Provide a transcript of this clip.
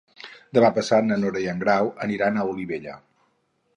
Demà passat na Nora i en Grau aniran a Olivella.